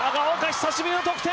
久しぶりの得点！